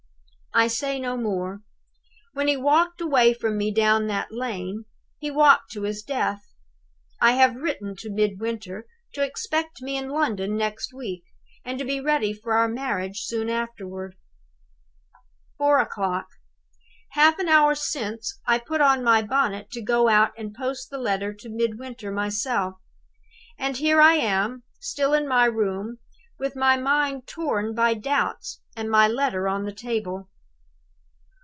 "I say no more. When he walked away from me down that lane, he walked to his death. I have written to Midwinter to expect me in London nest week, and to be ready for our marriage soon afterward." "Four o'clock. Half an hour since, I put on my bonnet to go out and post the letter to Midwinter myself. And here I am, still in my room, with my mind torn by doubts, and my letter on the table.